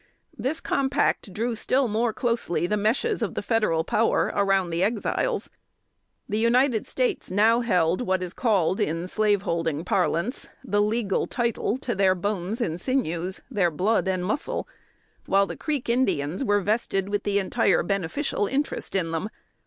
This compact drew still more closely the meshes of the federal power around the Exiles. The United States now held what is called in slaveholding parlance the "legal title" to their bones and sinews, their blood and muscle, while the Creek Indians were vested with the entire beneficial interest in them.